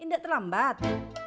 ini udah terlambat